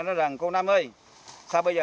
nói rằng cô nam ơi sao bây giờ